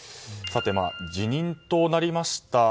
辞任となりました